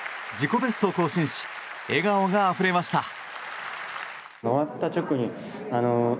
自己ベストを更新し笑顔があふれました。